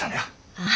ああ。